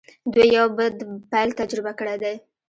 دوی يو بد پيل تجربه کړی دی.